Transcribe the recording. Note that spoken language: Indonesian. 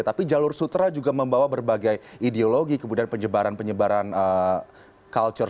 tapi jalur sutra juga membawa berbagai ideologi kemudian penyebaran penyebaran culture